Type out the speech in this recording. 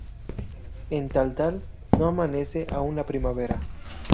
En Taltal no amanece aún la primavera.